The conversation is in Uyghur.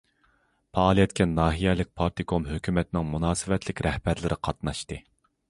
پائالىيەتكە ناھىيەلىك پارتكوم، ھۆكۈمەتنىڭ مۇناسىۋەتلىك رەھبەرلىرى قاتناشتى.